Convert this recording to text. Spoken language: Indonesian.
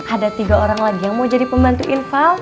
ada tiga orang lagi yang mau jadi pembantu infal